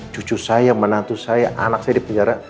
cucu saya menantu saya anak saya di penjara